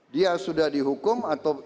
dia sudah dihukum atau